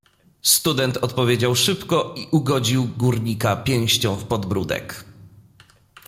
"Student odpowiedział szybko i ugodził górnika pięścią w podbródek."